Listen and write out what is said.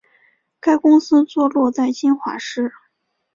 该公司坐落在金华市。